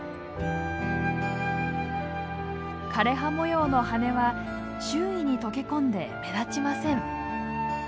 枯れ葉模様の羽は周囲に溶け込んで目立ちません。